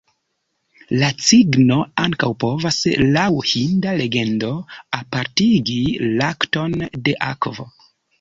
La cigno ankaŭ povas, laŭ hinda legendo, apartigi lakton de akvo.